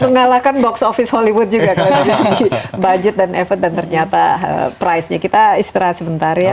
mengalahkan box office hollywood juga kalau dari segi budget dan effort dan ternyata price nya kita istirahat sebentar ya